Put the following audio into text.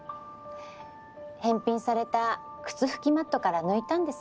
返品された靴拭きマットから抜いたんです。